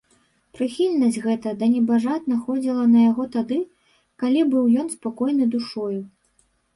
Прыхільнасць гэта да небажат находзіла на яго тады, калі быў ён спакойны душою.